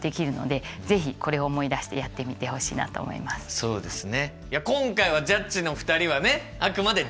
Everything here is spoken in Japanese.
そうですね。